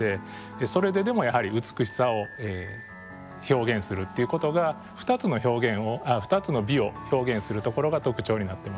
それででもやはり美しさを表現するっていうことが２つの美を表現するところが特徴になってます。